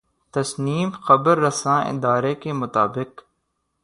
تسنیم خبررساں ادارے کے مطابق